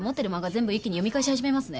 全部一気に読み返し始めますね。